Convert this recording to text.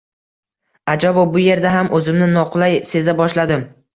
Ajabo, bu yerda ham o’zimni noqulay seza boshladim.